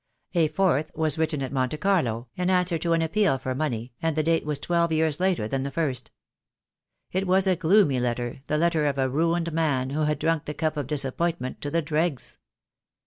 A fourth was written at Monte Carlo, in answer to an appeal for money, and the date was twelve years later than the first. It was a gloomy letter, the letter of a ruined man, who had drunk the cup of disappointment to the dregs.